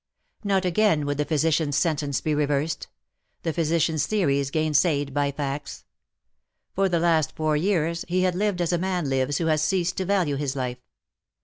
Not again would the physician's sentence be reversed — the physician's theories gainsayed by facts. For the last four years he had lived as a man lives who has ceased to value his life.